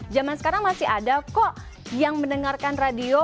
zaman sekarang masih ada kok yang mendengarkan radio